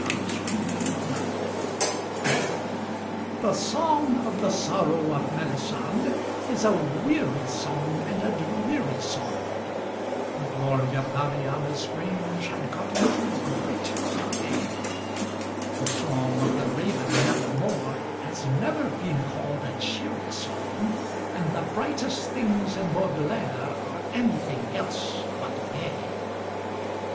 The Song Against Songs The song of the sorrow of Melisande is a weary song and a dreary song, The glory of Mariana's grange had got into great decay, The song of the Raven Never More has never been called a cheery song, And the brightest things in Baudelaire are anything else but gay.